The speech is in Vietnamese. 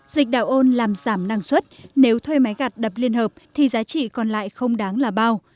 dịch đạo ôn làm giảm năng suất nếu thuê máy gạt đập liên hợp thì giá trị còn lại không đáng là bao